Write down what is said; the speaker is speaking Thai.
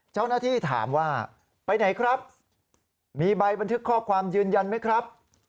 เจ้าหน้าที่ถามว่าไปไหนครับมีใบบันทึกข้อความยืนยันไหมครับ